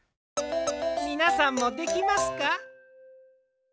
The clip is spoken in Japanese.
みなさんもできますか？